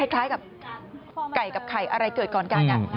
คล้ายกับไก่กับไข่อะไรเกิดก่อนกัน